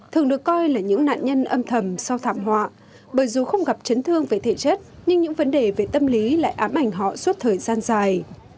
thường được coi là những nạn nhân âm thầm sau thảm họa bởi dù không gặp chấn thương về thể chất nhưng những vấn đề về tâm lý lại ám ảnh họ suốt thời gian dài